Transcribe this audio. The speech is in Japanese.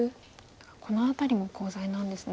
この辺りもコウ材なんですね。